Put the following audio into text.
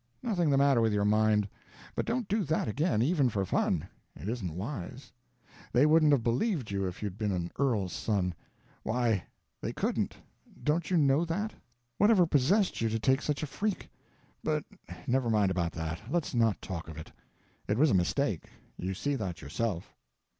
Nothing the matter with your mind. But don't do that again—even for fun. It isn't wise. They wouldn't have believed you if you'd been an earl's son. Why, they couldn't—don't you know that? What ever possessed you to take such a freak? But never mind about that; let's not talk of it. It was a mistake; you see that yourself."